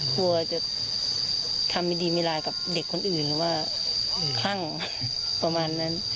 กลัวจะทำไม่ดีไม่ร้ายกับเด็กคนอื่นหรือว่าคลั่งประมาณนั้น